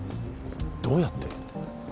どうやって？